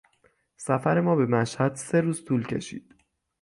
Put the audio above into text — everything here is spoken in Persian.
سفر ما به مشهد سه روز طول کشید.